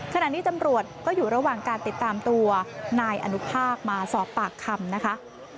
ขณะนี้ตำรวจก็อยู่ระหว่างการติดตามตัวนายอนุภาคมาสอบปากคำนะคะ